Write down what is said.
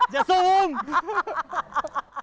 อย่าซูม